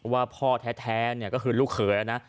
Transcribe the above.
ว่าพ่อแท้ก็คือลูกเขยนะ